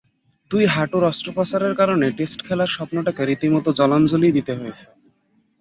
দুই হাঁটুর অস্ত্রোপচারের কারণে টেস্ট খেলার স্বপ্নটাকে রীতিমতো জলাঞ্জলিই দিতে হয়েছে।